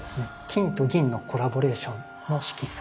金と銀のコラボレーションの色彩。